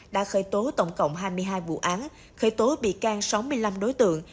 đã khởi tố tổng cộng hai mươi hai vụ án khởi tố bị can sáu mươi năm đối tượng